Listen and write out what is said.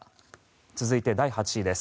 続いて、第８位です。